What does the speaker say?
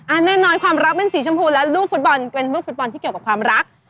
แน่นอนความรักเป็นสีชมพูและลูกฟุตบอลเป็นลูกฟุตบอลที่เกี่ยวกับความรัก